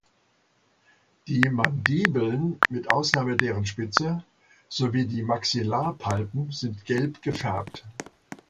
Die Mandibeln mit Ausnahme deren Spitze sowie die Maxillarpalpen sind gelb gefärbt.